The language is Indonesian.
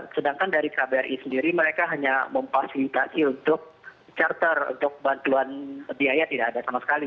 sedangkan dari kbri sendiri mereka hanya memfasilitasi untuk charter untuk bantuan biaya tidak ada sama sekali